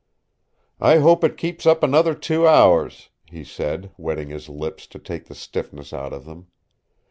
"I hope it keeps up another two hours," he said, wetting his lips to take the stiffness out of them.